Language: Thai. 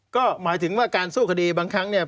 ก็หมายถึงว่าการสู้คดีบางครั้งเนี่ย